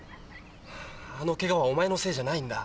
あのケガはお前のせいじゃないんだ。